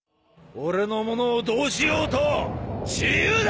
俺の物をどうしようと自由だ！